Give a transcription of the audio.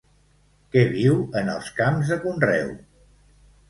Que viu en els camps de conreu.